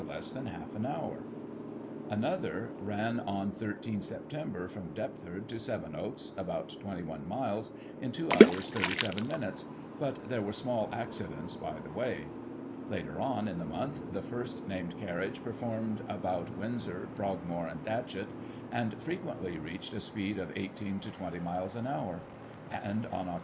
169 less than half an hour. Another ran on 13 Sep. from Dept ford to Sevenoaks, about 21 miles, in 2 hours 37 minutes, but there were small accidents by the way. Later on in the month the first named carriage performed about Windsor, Frogmore and Dachet, and frequently reached a speed of 18 to 20 miles an hour; and on Oct.